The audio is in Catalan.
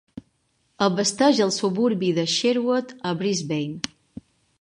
Abasteix el suburbi de Sherwood a Brisbane.